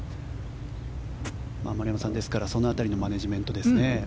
丸山さん、ですからその辺りのマネジメントですね。